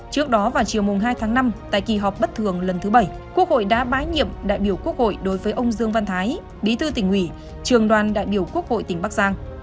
trước đó vào chiều hai tháng năm tại kỳ họp bất thường lần thứ bảy quốc hội đã bái nhiệm đại biểu quốc hội đối với ông dương văn thái bí thư tỉnh ủy trường đoàn đại biểu quốc hội tỉnh bắc giang